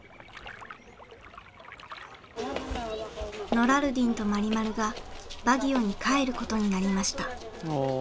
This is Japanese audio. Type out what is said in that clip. ノラルディンとマリマルがバギオに帰ることになりました。